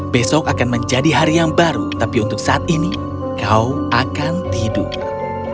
besok akan menjadi hari yang baru tapi untuk saat ini kau akan tidur